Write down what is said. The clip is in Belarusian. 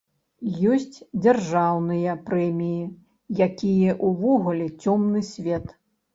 Ёсць дзяржаўныя прэміі, якія ўвогуле цёмны свет.